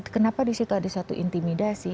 kenapa di situ ada satu intimidasi